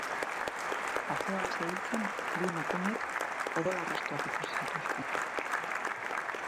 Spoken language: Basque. Paseoan zebiltzan bi emakumek odol arrastoak ikusi zituzten.